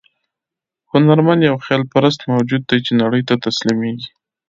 هنرمند یو خیال پرست موجود دی چې نړۍ ته تسلیمېږي.